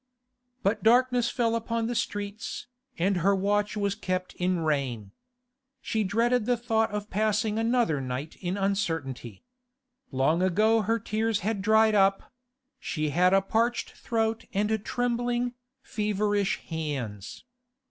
But darkness fell upon the streets, and her watch was kept in rain. She dreaded the thought of passing another night in uncertainty. Long ago her tears had dried up; she had a parched throat and trembling, feverish hands.